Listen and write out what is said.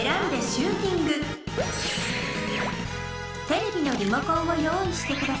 テレビのリモコンを用意してください。